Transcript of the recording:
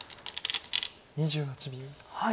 ２８秒。